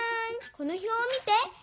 この表を見て！